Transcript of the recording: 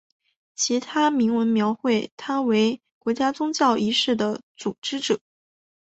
其他铭文描绘他为国家宗教仪式的组织者。